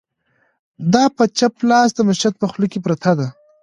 د په چپ لاس د مسجد په خوله کې پرته ده،